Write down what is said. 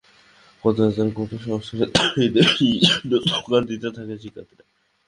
পদযাত্রায় quota সংস্কারের দাবিতে বিভিন্ন স্লোগান দিতে থাকেন শিক্ষার্থীরা।